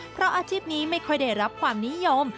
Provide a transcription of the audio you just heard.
เพราะอาชีพนี้ไม่ค่อยได้รับความนิยม